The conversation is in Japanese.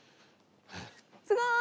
すごーい！